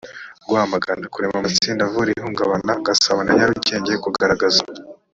rwamagana kurema amatsinda avura ihungabana gasabo na nyarugenge kugaragaza